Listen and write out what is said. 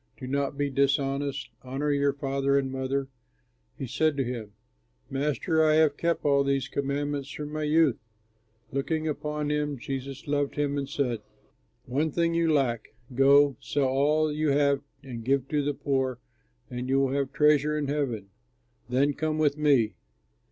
Do not be dishonest. Honor your father and mother.'" He said to him, "Master, I have kept all these commands from my youth." Looking upon him, Jesus loved him and said, "One thing you lack; go, sell all that you have and give to the poor, and you will have treasure in heaven. Then come with me."